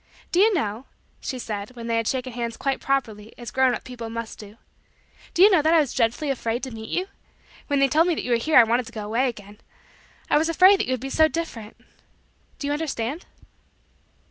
"Do you know" she said when they had shaken hands quite properly as grown up people must do "do you know that I was dreadfully afraid to meet you? When they told me that you were here I wanted to go away again. I was afraid that you would be so different. Do you understand?"